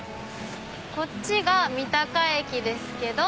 こっちが三鷹駅ですけど。